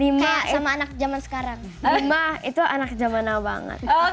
lima sama anak zaman sekarang lima itu anak zaman awal banget